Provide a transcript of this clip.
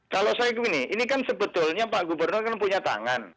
kalau saya begini ini kan sebetulnya pak gubernur kan punya tangan